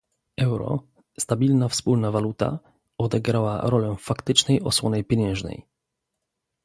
Euro, stabilna wspólna waluta, odegrała rolę faktycznej osłony pieniężnej